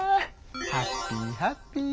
ハッピーハッピー。